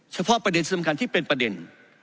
เฉพาะประเด็นสำคัญที่เป็นประเด็น